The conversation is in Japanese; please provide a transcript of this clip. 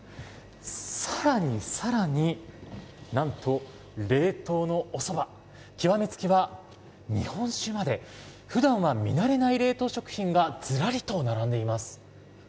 さらにさらに、なんと冷凍のおそば、極め付きは日本酒まで、ふだんは見慣れない冷凍食品がずらりと並んでいます。